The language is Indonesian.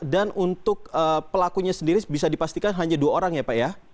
dan untuk pelakunya sendiri bisa dipastikan hanya dua orang ya pak ya